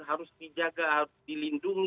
harus dijaga dilindungi